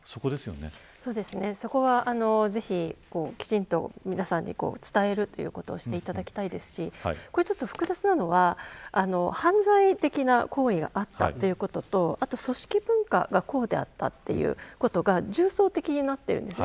そこはぜひ、きちんと皆さんに伝えるということをしてほしいですし複雑なのは犯罪的な行為があったということと組織文化がこうであったということが重層的になっているんです。